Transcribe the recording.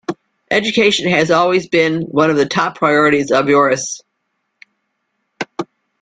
Education have always been one of the top priorities of Oeiras.